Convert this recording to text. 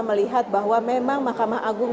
melihat bahwa memang mahkamah agung